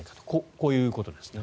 こういうことですね。